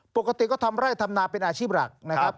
ปกติก็ทำไร่ทำนาเป็นอาชีพหลักนะครับ